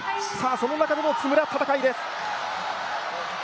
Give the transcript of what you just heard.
その中での津村の戦いです。